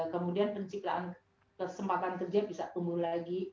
kemudian penciptaan kesempatan kerja bisa tumbuh lagi